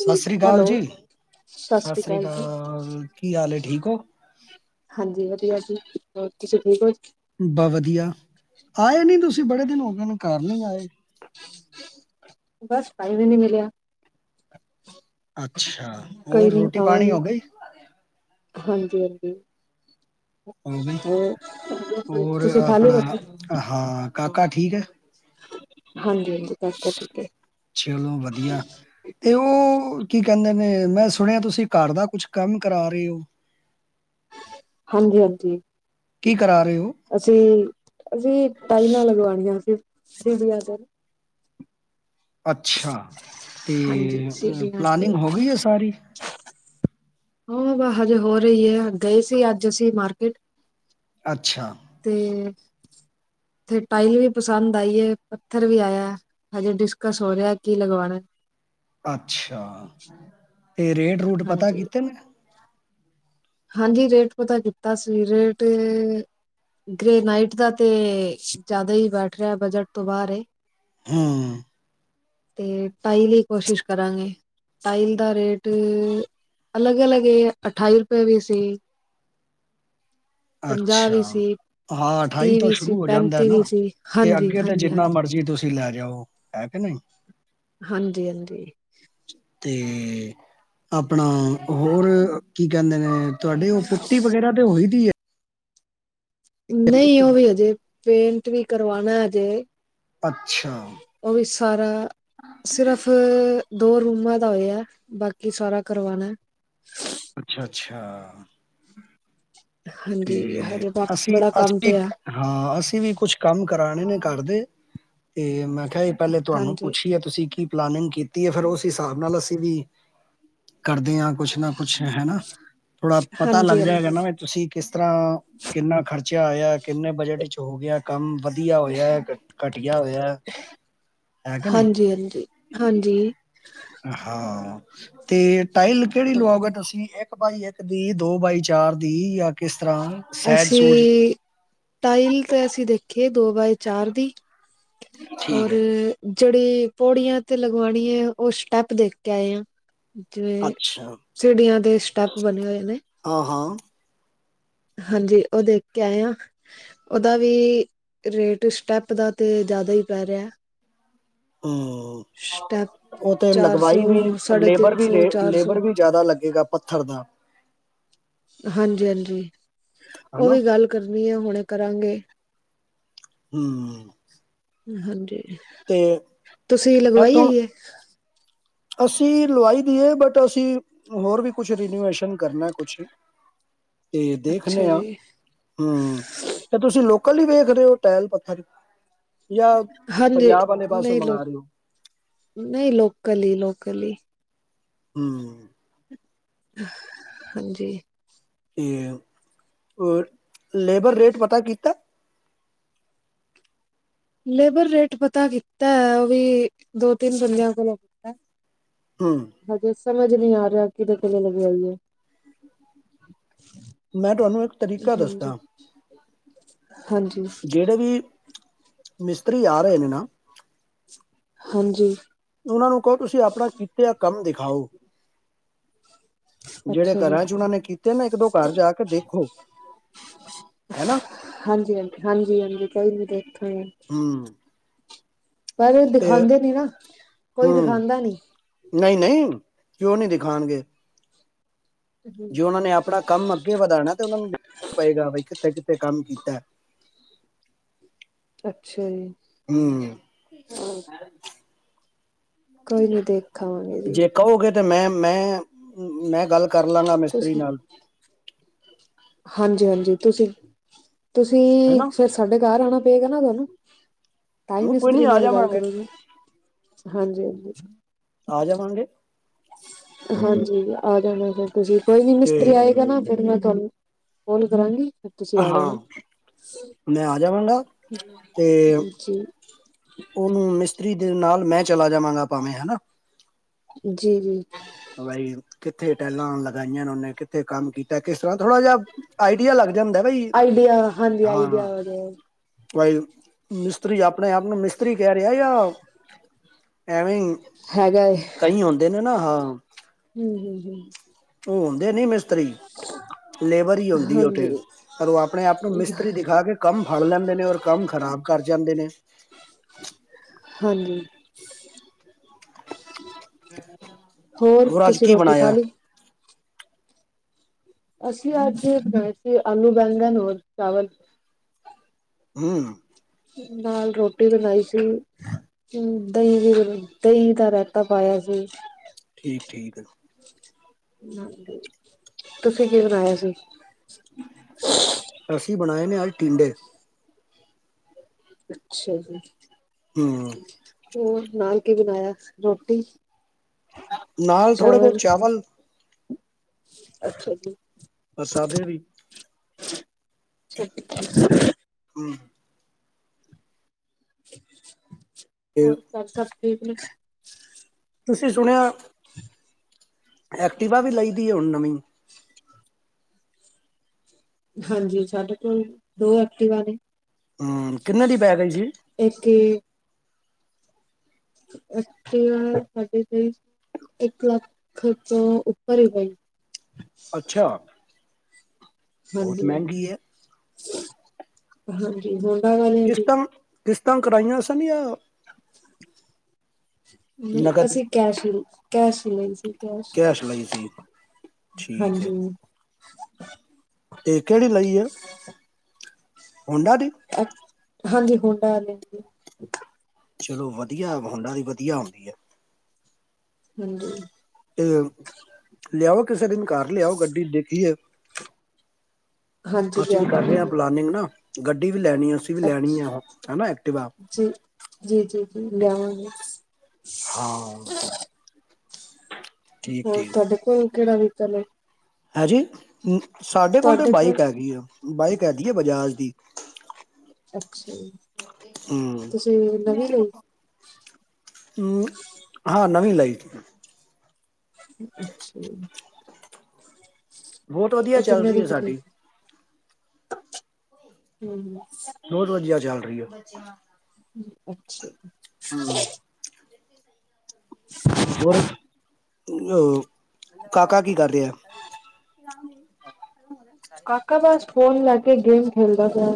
ਸਤਿ ਸ੍ਰੀ ਕਾਲ ਹੈਲੋ ਜੀ, ਸਤਿ ਸ੍ਰੀ ਕਾਲ, ਕੀ ਹਾਲ ਏ? ਠੀਕ ਹੋ। ਹਾਂਜੀ ਵਧੀਆ ਜੀ, ਹੋਰ ਤੁਸੀਂ ਠੀਕ ਹੋ ਬ ਵਧੀਆ, ਆਏ ਨੀ ਤੁਸੀਂ ਬੜੇ ਦਿਨ ਹੋ ਗਏ ਨੇ ਘਰ ਨੀ ਆਏ। ਬਸ, ਟਾਈਮ ਈ ਨੀ ਮਿਲਿਆ। ਅੱਛਾ, ਕੋਈ ਹੋਰ ਨੀ ਰੋਟੀ ਪਾਣੀ ਆਵਾਂਗੇ ਹੋ ਗਈ। ਹਾਂਜੀ- ਹਾਂਜੀ ਹੋ ਗਈ, ਹੋਰ ਹੋਰ ਤੁਸੀਂ ਖਾ ਲਈ ਆਪਣਾ ਰੋਟੀ ਹ, ਹਾਂ ਕਾਕਾ ਠੀਕ ਹੈ? ਹਾਂਜੀ ਹਾਂਜੀ ਕਾਕਾ ਠੀਕ ਹੈ ਚਲੋ ਵਧੀਆ, ਤੇ ਔਹ- ਕੀ ਕਹਿੰਦੇ ਨੇ ਮੈਂ ਸੁਣਿਆ ਤੁਸੀਂ ਘਰ ਦਾ ਕੁਛ ਕੰਮ ਕਰਾ ਰਹੇ ਹੋ। ਹਾਂਜੀ- ਹਾਂਜੀ ਕੀ ਕਰਾ ਰਹੇ ਹੋ? ਅਸੀਂ, ਅਸੀਂ ਟਾਇਲਾਂ ਲਗਵਾਉਣੀਆਂ ਸੀ। ਸਿੜਿਆਂ ਤੇ। ਅੱਛਾ, ਤੇ ਹਾਂਜੀ ਸੀੜੀਆਂ ਪਲਾਨਿੰਗ ਤੇ ਹੋ ਗਈ ਹੈ, ਸਾਰੀ। ਹੂੰ ਹਜੇ ਹੋ ਰਹੀ ਹੈ, ਗਏ ਸੀ ਅੱਜ ਅਸੀਂ ਮਾਰਕੀਟ। ਅੱਛਾ ਤੇ, ਤੇ ਟਾਇਲ ਵੀ ਪਸੰਦ ਆਈ ਏ, ਪੱਥਰ ਵੀ ਆਇਆ। ਹਜੇ ਡਿਸਕਸ ਹੋ ਰਿਹਾ ਕੀ ਲਗਵਾਉਣਾ। ਅੱਛਾ, ਏ ਰੇਟ ਰੂਟ ਪਤਾ ਹਾਂਜੀ ਕਿਤੇੇ ਨੇ? ਹਾਂਜੀ ਰੇਟ ਪਤਾ ਕੀਤਾ ਸੀ। ਰੇਟ ਗ੍ਰੇ ਨਾਈਟ ਦਾ ਤੇ ਜ਼ਿਆਦਾ ਹੀ ਬੈਠ ਰਿਹਾ, ਬਜਟ ਤੋਂ ਬਾਹਰ ਏ। ਹੰ। ਤੇ ਟਾਈਲ ਕੋਸ਼ਿਸ਼ ਕਰਾਂਗੇ। ਟਾਈਲ ਦਾ ਰੇਟ ਅਲੱਗ ਅਲੱਗ ਏ। ਅਠਾਈ ਰੁਪਏ ਵੀ ਸੀ। ਪੰਜਾਹ ਅੱਛਾ, ਵੀ ਸੀ ਹਾਂ ਅਠਾਈ ਤੀਹ ਤੋਂ ਵੀ ਸੀ ਸ਼ੁਰੂ ਹੋ ਜਾਂਦਾ ਪੈਂਤੀ ਨਾ। ਵੀ ਸੀ ਐ ਹਾਂਜੀ ਅੱਗੇ ਤੇ ਹਾਂਜੀ ਜਿੰਨਾ ਹਾਂਜੀ ਮਰਜ਼ੀ ਤੁਸੀਂ ਤੁਸੀਂ ਲੈ ਜਾਓ। ਹੈ ਕਿ ਨਹੀਂ? ਹਾਂਜੀ ਹਾਂਜੀ [inaudible] ਤੇ ਆਪਣਾ ਹੋਰ ਕੀ ਕਹਿੰਦੇ ਨੇ ਤੁਹਾਡੇ ਉਹ ਪੁੱਟੀ ਵਗੈਰਾ ਤੇ ਉਹੀ ਦੀ ਹੈ ਨਹੀਂ ਉਹ ਵੀ ਹਜੇ ਪੇ ਵੀ ਕਰਵਾਉਣਾ ਹੈਜੇ ਅੱਛਾ, ਉਹ ਵੀ ਸਾਰਾ ਸਿਰਫ ਦੋ ਰੂਮਾਂ ਦਾ ਹੋਇਆ ਬਾਕੀ ਸਾਰਾ ਕਰਵਾਣਾ ਅੱਛਾ ਅੱਛਾ ਹਾਂਜੀ ਤੇ ਹਜੇ ਬਾ ਅਸੀਂ ਬੜਾ ਕੰਮ ਅਸੀਂ ਵੀ ਪਿਆ ਹਾਂ ਅਸੀਂ ਵੀ ਕੁਛ ਕੰਮ ਕਰ ਪੁਰਾਣੇ ਨੇ ਕਰਦੇ ਤੇ ਮੈਂ ਏ ਪਹਿਲੇ ਤੁਹਾਨੂੰ ਹਾਂਜੀ ਪੁੱਛੀਏ ਤੁਸੀਂ ਕੀ ਪਲਾਨਿੰਗ ਕੀਤੀ ਹੈ ਫਿਰ ਉਸ ਹਿਸਾਬ ਨਾਲ ਅਸੀਂ ਵੀ ਕਰਦੇ ਹ ਕੁਛ ਨਾ ਕੁਛ ਹਨਾ ਥੋੜਾ ਪਤਾ ਲੱਗ ਹਾਂਜੀ ਹਾਂਜੀ ਜਾਏਗਾ ਨਾ ਵੀ ਤੁਸੀਂ ਕਿਸ ਤਰ੍ਹਾਂ ਕਿੰਨਾ ਖਰਚਾ ਆਇਆ ਕਿੰਨੇ ਬਜਟ ਚ ਹੋ ਗਿਆ ਕੰਮ ਵਧੀਆ ਹੋਇਆ ਘਟੀਆ ਹੋਇਆ ਹੈਗੇ ਨਹੀਂ ਹਾਂਜੀ ਹਾਂਜੀ ਹਾਂਜੀ ਹਾਂ ਤੇ ਟਾਈਲ ਕਿਹੜੀ ਲਵਾਓਗੇ ਤੁਸੀਂ ਇੱਕ ਇੱਕ ਬਾਈ ਇੱਕ ਦੀ ਦੋ ਬਾਈ ਚਾਰ ਦੀ ਕਿਸ ਤਰ੍ਹਾਂ ਸਹਿਜ ਸੂਜ ਅਸੀਂ ਟਾਈਲ ਤੇ ਅਸੀਂ ਦੇਖੀਏ ਦੋ ਬਾਏ ਚਾਰ ਦੀ ਠੀਕ ਔਰ ਹੈ ਜਿਹੜੀ ਪੌੜੀਆਂ ਤੇ ਲਗਵਾਣੀ ਹੈ ਉਹ ਸਟੈਪ ਦੇਖ ਕੇ ਆਏ ਆ ਜਿਵੇਂ ਅੱਛਾ ਸਿੜੀਆਂ ਦੇ ਸਟੈਪ ਬਣੇ ਹੋਏ ਨੇ ਹਾਂ ਹਾਂ ਹਾਂਜੀ ਉਹ ਦੇਖ ਕੇ ਆਏ ਹਾਂ ਉਹਦਾ ਵੀ ਰੇਟ ਸਟੈਪ ਦਾ ਤੇ ਜ਼ਿਆਦਾ ਹੀ ਪੈ ਰਿਹਾ ਹਮ ਸਟੈਪ ਉਹ ਤੇ ਚਾਰ ਸੌ ਲਗਵਾਈ ਵੀ ਸਾਢੇ ਲੇਬਰ ਤਿੰਨ ਵੀ ਰ ਸੌ ਚਾਰ ਸੌ ਲੇਬਰ ਵੀ ਜ਼ਿਆਦਾ ਲੱਗੇਗਾ ਪੱਥਰ ਦਾ ਹਾਂਜੀ-ਹਾਂਜੀ ਉਹ ਹਨਾ ਵੀ ਗੱਲ ਕਰਨੀ ਹੈ ਹੁਣੇ ਕਰਾਂਗੇ। ਹੂੰ। ਹਾਂਜੀ। ਤੁਸੀਂ ਲਗਵਾਈ ਇੱਥੋਂ ਹੋਈ ਆ? ਅਸੀਂ ਲਵਾਈ ਦੀਏ, ਬਟ ਅਸੀਂ ਹੋਰ ਵੀ ਕੁਛ ਰੀਨੂਏਸ਼ਨ ਕਰਨਾ ਕੁਛ ਤੇ ਦੇਖਦੇ ਅੱਛਾ ਹਾਂ ਜੀ ਹੂੰ, ਤੇ ਤੁਸੀਂ ਲੋ ਕੱਲ ਹੀ ਵੇਖਦੇ ਰਹੇ ਹੋ ਟਾਇਲ ਪੱਥਰ ਜਾਂ ਹਾਂਜੀ ਪੰਜਾਬ ਵਾਲੇ ਪਾਸੋਂ ਨਹੀਂ ਲੋ ਮੰਗਵਾ ਰਹੇ ਹੋ ਨਹੀਂ ਲੋਕਲ ਹੀ ਲੋਕ ਕਲੀ ਹੂੰ। ਹਾਂਜੀ। ਤੇ ਲੇਬਰ ਰੇਟ ਪਤਾ ਕੀਤਾ? ਲੇਬਰ ਰੇਟ ਪਤਾ ਕਿ ਕੀਤਾ ਉਹ ਵੀ ਦੋ ਤਿੰਨ ਬੰਦਿਆਂ ਕੋਲੋਂ ਪਤਾ ਹੂੰ ਹੈਗਾ ਸੀ। ਸਮਝ ਨੀ ਆ ਰਿਹਾ ਕਿਦੇ ਕੋਲੋ ਲੇ ਗੇ ਆਈਏ। ਮੈਂ ਤੁਹਾਨੂੰ ਇੱਕ ਤਰੀਕਾ ਦੱਸਦਾ। ਹਾਂਜੀ ਜਿਹੜੇ ਵੀ ਮਿਸ ਪਰ ਯਾਰ ਇਹਨ ਨਾ ਹਾਂਜੀ ਉਹਨਾਂ ਨੂੰ ਕਹੋ ਤੁਸੀਂ ਆਪਣਾ ਕੀਤੇ ਕੰਮ ਦਿਖਾਓ? ਜਿਹੜੇ ਅੱਛਾ ਜੀ ਘਰਾਂ ਚ ਉਹਨਾਂ ਨੇ ਕੀਤੇ ਨਾ ਇੱਕ ਦੋ ਘਰ ਜਾ ਕੇ ਦੇਖੋ। ਹੈਨਾ ਕੇਰੀ ਤੇ ਫੇਰ ਹੂੰ ਪਰ ਤੇ ਦਿਖਾਦੇ ਨੀ, ਨਾ ਕੋਈ ਦਿਖਾਦਾ ਨੀ ਨਹੀਂ-ਨਹੀਂ ਕਿਉ ਨੀ ਦਿਖਾਉਣਗੇ। ਜੇ ਉਹਨਾਂ ਨੇ ਆਪਣਾ ਕੰਮ ਅੱਗੇ ਵਧਾਣਾ ਤੇ ਉਹਨਾਂ ਨੂੰਣਾ ਪਏਗਾ ਬ ਕਿੱਥੇ ਕਿੱਥੇ ਤੇ ਕੰਮ ਕੀਤਾ। ਅੱਛਾ ਜੀ। ਹੂੰ। ਕੋਈ ਨੀ ਦੇਖ ਆਵਾਂਗੇ ਜੀ। ਜੇ ਕਹੋਗੇ ਤੇ ਮੈਂ ਮੈਂ ਮੈਂ ਗੱਲ ਕਰ ਲਾਂਗਾ ਮਿਸਤਰੀ ਨਾਲ ਹਾਂਜੀ-ਹਾਂਜੀ ਤੁਸੀਂ ਤੁਸੀਂ ਹੈਨਾ ਫਿਰ ਸਾਡੇ ਘਰ ਆਣਾ ਬੇਗਾ ਨਾ ਨੂੰ-' ਟਾਈ ਹੂੰ, ਕੋਈ ਮਿਸਤਰੀ ਨਹੀਂ ਆ ਨਾਲ ਗੱਲ ਜਾਵਾਂਗੇ ਕਰਾਂਗੇ ਹਾਂਜੀ ਹਾਂਜੀ। [unintelligible] ਆ ਜਾਵਾਂਗੇ। ਹਾਂਜੀ ਆ ਜਾਣਾ ਫਿਰ, ਜੇ ਕੋਈ ਨੀ ਮਿਸਤਰੀ ਤੇ ਆਏਗਾ ਨਾ ਫਿਰ ਮੈਂ ਤੁਹਾਨੂੰ ਫੋਨ ਕਰਾਂਗੀ ਤੁਸੀਂ ਆ ਹਾਂ, ਜਾਣਾ ਮੈਂ ਆ ਜਾਵਾਂਗਾ ਤੇ ਜੀ ਉਹਨੂੰ ਮਿਸਤਰੀ ਨਾਲ ਮੈਂ ਚਲਾ ਜਾਵਾਂਗਾ, ਭਾਵੇਂ ਹਨਾ। ਜੀ ਜੀ। ਬਾਈ ਕਿੱਥੇ ਟੈਲਾਂ ਲਗਾਈਆਂ ਨੇ ਉਹਨੇ, ਕਿੱਥੇ ਕੰਮ ਕੀਤਾ ਕਿ ਥੋੜਾ ਜਿਹਾ ਆਈਡੀਆ ਲੱਗ ਜਾਂਦਾ ਬਾਈ ਆਈਡੀਆ ਹਾਂਜੀ ਹਾਂ। ਆਈਡੀਆ ਵਗੈਰਾ ਭਾਈ ਮਿਸਤਰੀ ਆਪਣੇ ਆਪ ਨੂੰ ਮਿਸਤਰੀ ਕਹਿ ਰਿਹਾ ਜਾ ਐਵੇਂ ਹੈਗਾ ਏ ਕਈ ਆਉਂਦੇ ਨੇ ਨਾ ਹਾਂ [unintelligible] [unintelligible] ਹੁੰਦੇ ਨਹੀਂ ਮਿਸਤਰੀ ਲੇਬਰ ਹੀ ਆਉਂਦੀ ਏ ਉਥੇ, ਹਾਂਜੀ ਪਰ ਉਹ ਆਪਣੇ ਆਪ ਨੂੰ ਮਿਸਤਰੀ ਦਿਖਾ ਕੇ ਕੰਮ ਫੜ ਲੈਂਦੇ ਨੇ, ਔਰ ਕੰਮ ਖ਼ਰਾਬ ਕਰ ਜਾਂਦੇ ਨੇ। ਹਾਂਜੀ। ਹੋਰ ਅੱਜ ਤੁਸੀਂ ਕੀ ਰੋਟੀ ਖਾ ਬਣਾਇਆ। ਲਈ ਅਸੀਂ ਅੱਜ ਬਣਾਏ ਸੀ ਆਲੂ, ਬੈਂਗਣ ਹੋਰ ਚਾਵਲ ਹੂੰ। ਨਾਲ ਰੋਟੀ ਬਣਾਈ ਸੀ, ਦਹੀਂ ਦੀ ਦਹੀਂ ਦਾ ਰਾਇਤਾ ਪਾਇਆ ਸੀ। ਠੀਕ ਠੀਕ ਆ ਤੁਸੀਂ ਕੀ ਬਣਾਇਆ ਸੀ। ਅਸੀ ਬਣਾਏ ਨੇ ਅੱਜ ਟੀਂਡੇ ਅੱਛਾ ਜੀ। ਹੂੰ। ਹੋਰ ਨਾਲ ਕੇ ਬਣਾਇਆ ਰੋਟੀ। ਨਾਲ ਥੋੜਾ ਬਹੁਤ ਚਾਵਲ ਅੱਛਾ ਜੀ। ਸਾਦੇ ਵੀ [unintelligible] [unintelligible] [unintelligible] ਤੇ ਹੋਰ ਘਰ ਸਭ ਠੀਕ ਨੇ। ਤੁਸੀਂ ਸੁਣਿਆ [unintelligible] ਐਕਟੀਵਾ ਵੀ ਲਈ ਦੀ ਹੁਣ ਨਵੀਂ ਹਾਂਜੀ, ਸਾਡੇ ਕੋਲ ਦੋ ਐਕਟਿਵਾ ਨੇ। ਹੂੰ, ਕਿੰਨੇ ਦੀ ਪੈ ਗਈ ਸੀ। ਇੱਕ ਇਕ ਸਾਡੇ ਤੇ ਇੱਕ ਲੱਖ ਤੋਂ ਉੱਪਰ ਹੈਗੇਈ ਅੱਛਾ। ਬਹੁਤ ਹਾਂਜੀ ਮਹਿੰਗੀ ਐ। ਹਾਂਜੀ ਹੁਣ- ਕਾ ਕਰ ਰਹੀ ਤੂੰ- ਤਾਂ ਕਰਾਈਆਂ ਸਨੀਆ ਨਹੀਂ ਨਕਦ ਅਸੀਂ ਕੈਸ਼ ਲਈ ਕੈਸ਼- ਲਈ ਸੀ। ਕੈਸ਼ ਲਈ ਸੀ ਠੀਕ ਹਾਂਜੀ ਹੈ ਤੇ ਕਿਹੜੀ ਲਈ ਏ? ਅਛ ਹਾਂਜੀ ਉਹਨਾਂ ਲੀਤੀ ਚਲੋ ਵਧੀਆ ਹੋੰਡਾ ਦੀ ਧੀਆ ਹੁੰਦੀ ਹੈ। ਹਾਂਜੀ। ਤੇ ਲਿਆਓ ਕਿਸੇ ਦੀ ਵੀ ਕਾਰ ਤੇ ਗੱਡੀ ਦੇਖੀਏ ਹਾਂਜੀ ਅਸੀਂ ਵੀ ਕਰ ਲਿਆਵਾਂਗੇ ਰਹੇ ਹ ਜੀ ਪਲਾਨਿੰਗ ਨਾ- ਗੱਡੀ ਵੀ ਲੈਣੀ ਹੈ ਅਸੀਂ ਵੀ ਲੈਣੀ ਹੈ ਹਨਾ ਐਕਟਿਵਾ ਹਾਂ [unintelligible] ਠੀਕ [unintelligible] ਕਿਹੜਾ ‌ਬੂਟਾ ਲਾਏ ਹਾਜੀ ਹੂੰ- ਸਾਡੇ ਕੋਲ ਤਾਂ ਬਾਈਕ ਹੈਗੀ ਆ। ਬਾਈਕ ਆਦੀ‌ ਏ ਬਜਾਜ ਦੀ ਅੱਛਾ ਜੀ ਹਮ, ਤੁਸੀ ਨਵੀਂ ਲਈ। ਹੂੰ ਹਾਂ ਨਵੀਂ ਲਈ। ਅੱਛਾ ਜੀ। ਬਹੁਤ ਵਧੀਆ ਚੱਲ ਰਹੀ ਹੈ ਸਾਡੀ। [unintelligible] ਹੂੰ ਚਲ ਰਹੀ ਆ ਅੱਛਾ ਹੂੰ [unintelligible] ਹੋਰ, ਆ ਕਾਕਾ ਕੀ ਕਰ ਰਿਹਾ? ਕਾਕਾ ਬੱਸ ਫੋਨ ਲੈ ਕੇ ਗੇਮ ਖੇਲਦਾ ਪਿਆ।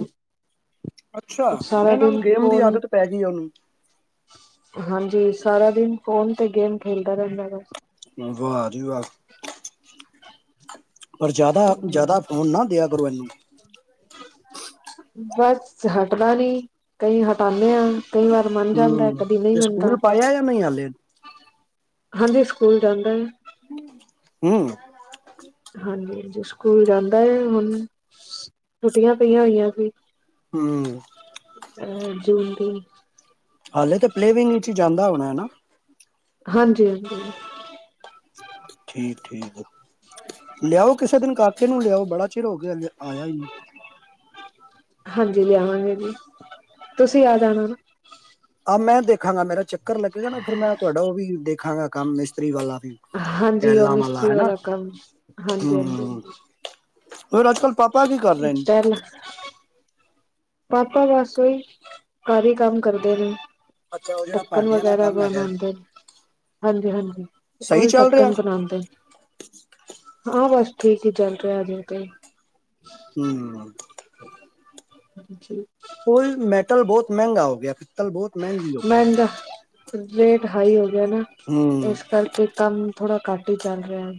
ਅੱਛਾ, ਉਹ ਸਾਰਾ ਹੋਣੇ ਨਾਲ ਦਿਨ ਗੇਮ ਦੀ ਫੋਨ ਆਦਤ ਪੈ ਗੀ ਏ ਓਨੂੰ ਹਾਂਜੀ ਸਾਰਾ ਦਿਨ ਫੋਨ ਤੇ ਗੇਮ ਖੇਲਦਾ ਰਹਿੰਦਾ ਬਸ। ਵਾਹ ਜੀ ਵਾਹ [inaudible] ਪਰ ਜਿਆਦਾ ਜਿਆਦਾ ਬਸ ਫੋਨ ਨਾ ਦਿਆ ਕਰੋ ਇਨੂੰ। ਬਸ ਹੱਟਦਾ ਨੀ, ਕਈ ਹਟਾਂਣੇ ਆਂ। ਕਈ ਵਾਰ ਮੰਨ ਜਾਂਦਾ, ਹੂੰ ਕਦੀ ਨਹੀਂ ਤੇ ਮੰਨਦਾ ਸਕੂਲ ਪਾਇਆ ਜਾਂ ਨਹੀਂ ਹਾਲੇ ਹਾਂਜੀ। ਸਕੂਲ ਜਾਂਦਾ ਏ। ਹੂੰ ਹੂੰ। ਹਾਂਜੀ ਹਾਂਜੀ, ਸਕੂਲ ਜਾਂਦਾ ਏ ਹੁਣ, ਛੁੱਟੀਆਂ ਪਈਆਂ ਹੋਈਆਂ ਸੀ। ਹੂੰ। ਹਾਂ ਜੂਨ ਦੀ। ਹਾਲੇ ਤਾਂ ਪਲੇਵਿੰਗ ਵਿੱਚ ਈ ਜਾਂਦਾ ਹੋਣਾ, ਨਾ? ਹਾਂਜੀ ਹਾਂਜੀ। ਠੀਕ ਠੀਕ ਲਿਆਓ ਕਿਸੇ ਦਿਨ ਕਾਕੇ ਨੂੰ, ਲਿਆਓ ਬੜਾ ਚਿਰ ਹੋ ਗਿਆ ਆਇਆ ਨੀ। ਹਾਂਜੀ, ਲਿਆਵਾਂਗੇ ਜੀ ਤੁਸੀਂ ਆ ਜਾਣਾ ਨਾ। ਆ ਮੈਂ ਦੇਖਾਂਗਾ ਮੇਰਾ ਚੱਕ ਰ ਲੱਗੇਗਾ ਨਾ ਫਿਰ ਮੈਂ ਤੁਹਾਡਾ ਓਹ ਵੀ ਦੇਖ ਦੇਖਾਂਗਾ ਕੰਮ ਮਿਸਤਰੀ ਵਾਲਾ। ਵੀ ਹਾਂਜੀ, ਓਹ ਟੈਲਾਂ ਮਿਸਤਰੀ ਹੈ ਨਾ ਵਾਲਾ ਕੰਮ, ਹਾਂਜੀ ਹਾਂਜੀ ਹਾਂਜੀ। ਫੇਰ, ਅੱਜ-ਕੱਲ ਪਾਪਾ ਕੀ ਕਰ ਰਹੇ ਨੇ ਪਹਿਲਾਂ ਪਾਪਾ ਬਸ ਓਹੀ ਘਰ ਹੀ ਕੰਮ ਕਰਦੇ ਨੇ। ਅੱਛਾ ਉਹ ਜਿਹੜਾ ਢੱਕਣ ਭਾਂਡਿਆਂ ਦਾ ਵਗੈਰਾ ਕੰਮ ਹੈਗਾ ਬਣਾਂਦੇ ਹਾਂਜੀ ਹਾਂਜੀ, ਸਹੀ ਓਹੀ ਚੱਲ ਰਿਹਾ ਢੱਕਣ ਬਣਾਂਦੇ ਹਾਂ, ਬਸ ਠੀਕ ਹੀ ਚਲ ਰਿਹਾ ਹਜੇ ਤੇ। ਹੂੰ। ਹਾਂਜੀ ਔਈ ਮੈਟਲ ਬਹੁਤ ਮਹਿੰਗਾ ਹੋ ਗਿਆ ਪਿੱਤਲ ਬਹੁਤ ਮਹਿੰਗੀ ਹੋ ਗੀ ਏ। ਮਹਿੰਗਾ ਰੇਟ ਹਾਈ ਹੋ ਗਿਆ ਨਾ ਏਸ ਕਰਕੇ ਕੰਮ ਥੋੜਾ ਘੱਟ ਹੀ ਚੱਲ ਰਿਹਾ [inaudible]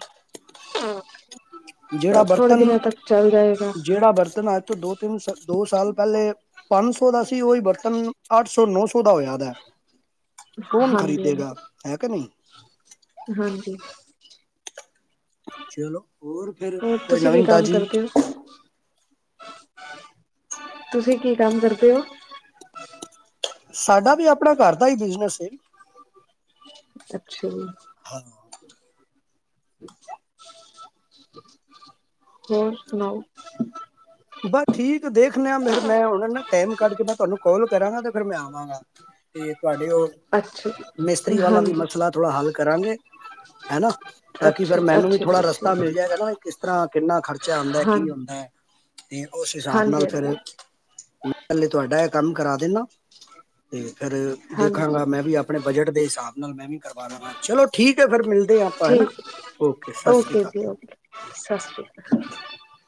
ਜੇੜਾ ਥੋੜੇ ਬਰਤਨ ਦਿਨਾਂ ਤੱਕ ਚੱਲ ਜਾਏਗਾ ਜੇੜਾ ਬਰਤਨ ਅੱਜ ਤੋਂ ਦੋ ਤਿੰਨ ਸਾਲ ਦੋ ਸਾਲ ਪੈਲੇ ਪੰਜ ਸੌ ਦਾ ਸੀ ਓਹੀ ਬਰਤਨ ਅੱਠ ਸੌ ਨੌ ਸੌ ਦਾ ਹੋਯੈ ਦੈ। ਕੌਣ ਹਾਂਜੀ ਖ਼ਰੀਦੇਗਾ ਹਾਂਜੀ ਹੈ ਕੇ ਨਹੀਂ। ਹਾਂਜੀ। ਚਲੋ ਹੋਰ ਫੇਰ ਹੋਰ ਕੋਈ ਤੁਸੀਂ ਕੀ ਨਵੀਂ ਕੰਮ ਤਾਜ਼ੀ ਕਰਦੇ ਹੋ? ਤੁਸੀਂ ਕੀ ਕੰਮ ਕਰਦੇ ਹੋ। ਸਾਡਾ ਵੀ ਆਪਣਾ ਘਰ ਦਾ ਹੀ ਬਿਜਨਸ ਹੈ। ਅੱਛਾ ਜੀ। ਹਾਂ ਹੋਰ ਸੁਣਾਓ। ਬਸ ਠੀਕ ਏ ਦੇਖ ਦੇਖ ਆ ਫਿਰ ਮੈਂ ਉਹਨਾਂ ਨੇ ਟਾਈਮ ਕੱਢ ਕੇ ਮੈਂ ਤੁਹਾਨੂੰ ਕਾਲ ਕਰਾਂਗਾ ਤੇ ਫਿਰ ਮੈਂ ਆਵਾਂਗਾ ਤੇ ਤੁਹਾਡੇ ਉਹ ਅੱਛਾ ਜੀ, ਮਿਸਤਰੀ ਵਾਲਾ ਵੀ ਹਾਂਜੀ। ਮਸਲਾ ਥੋੜ੍ਹਾ ਹੱਲ ਕਰਾਂਗੇ। ਹੈਨਾ। ਤਾਂ ਕਿ ਅੱਛਾ, ਫੇਰ ਮੈਨੂੰ ਵੀ ਅੱਛਾ ਥੋੜ੍ਹਾ ਜੀ, ਰਸਤਾ ਅੱਛਾ ਮਿਲ ਜਾਏਗਾ ਨਾ ਕਿਸ ਤਰ੍ਹਾਂ ਕਿੰਨਾ ਖਰਚਾ ਆਦਾ ਹਾਂ ਕੀ ਹੁੰਦਾ ਹੈ। ਤੇ ਉਸ ਹਿਸਾਬ ਹਾਂਜੀ, ਨਾਲ ਫੇਰ ਹਾਂਜੀ। ਮੈਂ ਹੇ ਤੁਹਾਡਾ ਇਹ ਕੰਮ ਕਰਾ ਦਿੰਦਾ। ਤੇ ਫਿਰ ਦੇਖਾਂਗਾ ਹਾਂਜੀ, ਮੈਂ ਵੀ ਆਪਣੇ ਬਜਟ ਦੇ ਹਿਸਾਬ ਨਾਲ ਮੈਂ ਵੀ ਕਰਵਾ ਲਾਂ ਚਲੋ ਠੀਕ ਹੈ ਫਿਰ ਮਿਲਦੇ ਹਾਂ ਆਪਾਂ ਹੈਾ ਠੀਕ ਓਕੇ ਸਤਿ ਸ੍ਰੀ ਅਕਾਲ। ਜੀ ਓਕੇ, ਸਤਿ ਸ਼੍ਰੀ ਅਕਾਲ।